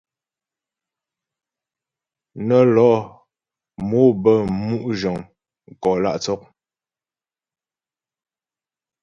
Nə́ lɔ mò bə́ mu' zhəŋ mkò lǎ' tsɔk.